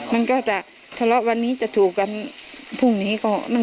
มันก็จะทะเลาะวันนี้จะถูกกันพรุ่งนี้ก็นั่น